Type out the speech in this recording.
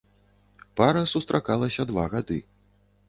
Пара сустракалася два гады.